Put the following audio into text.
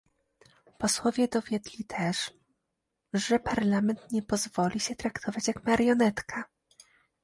Posłowie dowiedli też, że Parlament nie pozwoli się traktować jak marionetka